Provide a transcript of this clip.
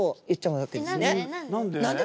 何で？